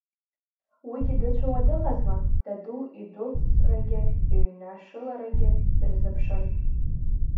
Уигьы дыцәауа дыҟазма, даду идәылҵрагьы иҩнашыларагьы дырзыԥшын.